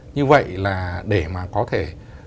như vậy là để mà có thể